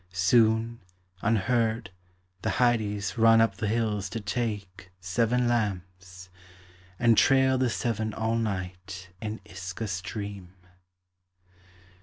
Soon, unheard, the Hyades Run up the hills to take Seven lamps, and trail the seven all night in Isca stream.